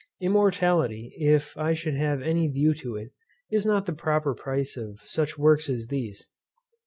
Immortality, if I should have any view to it, is not the proper price of such works as these.